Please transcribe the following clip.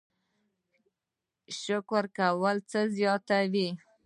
شکر کول څه زیاتوي؟